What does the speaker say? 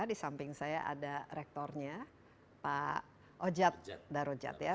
di samping saya ada rektornya pak ojat darojat ya